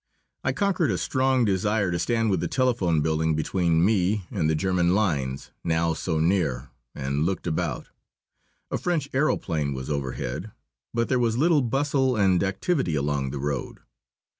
I conquered a strong desire to stand with the telephone building between me and the German lines, now so near, and looked about. A French aëroplane was overhead, but there was little bustle and activity along the road.